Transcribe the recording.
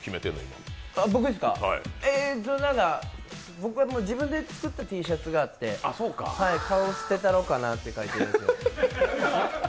僕は自分で作ったＴシャツがあって「顔捨てたろかな」って書いてあるやつ。